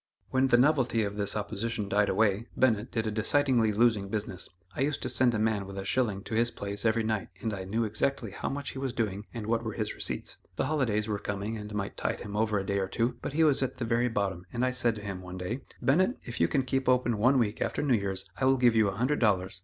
When the novelty of this opposition died away, Bennett did a decidedly losing business. I used to send a man with a shilling to his place every night and I knew exactly how much he was doing and what were his receipts. The holidays were coming and might tide him over a day or two, but he was at the very bottom and I said to him, one day: "Bennett, if you can keep open one week after New Year's I will give you a hundred dollars."